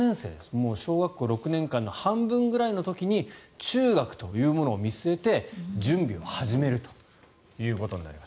もう小学校６年間の半分ぐらいの時に中学というものを見据えて準備を始めるということになります。